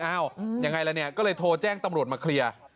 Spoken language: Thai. อย่างไรแล้วก็เลยโทรแจ้งตำรวจมาเคลียร์